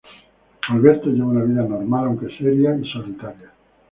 Alberto lleva una vida normal, aunque seria y solitaria.